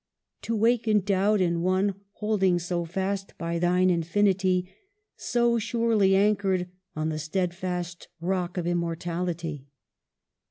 "To waken doubt in one Holding so fast by thine infinity ; So surely anchored on The steadfast rock of immortality.